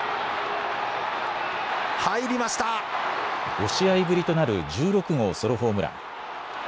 ５試合ぶりとなる１６号ソロホームラン。